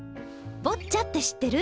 ボッチャって知ってる？